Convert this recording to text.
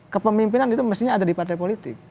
kepemimpinan itu mestinya ada di partai politik